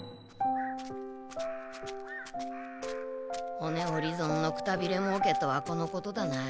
「骨折り損のくたびれもうけ」とはこのことだな。